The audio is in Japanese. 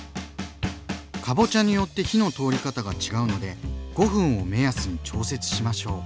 かぼちゃによって火の通り方が違うので５分を目安に調節しましょう。